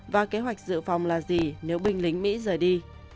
và kế hoạch dự phòng là gì nếu binh lính mỹ rời đi